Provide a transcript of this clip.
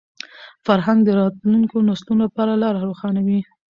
فرهنګ د راتلونکو نسلونو لپاره لاره روښانوي.